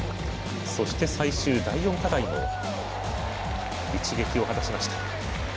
そして最終、第４課題も一撃を果たしました。